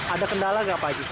ada kendala nggak pak